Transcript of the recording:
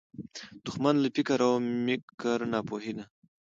د دښمن له فکر او مِکره ناپوهي ده